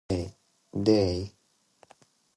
They wanted to wrap a book around it...